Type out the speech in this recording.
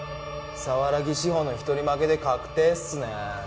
沢良宜志法の一人負けで確定っすね。